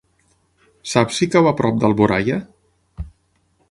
Saps si cau a prop d'Alboraia?